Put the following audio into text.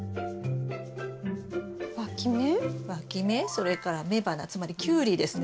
それから雌花つまりキュウリですね。